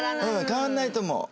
変わらないと思う。